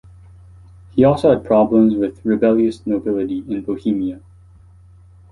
He also had problems with rebellious nobility in Bohemia.